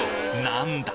何だ！？